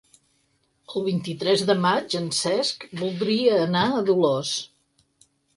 El vint-i-tres de maig en Cesc voldria anar a Dolors.